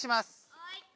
はい。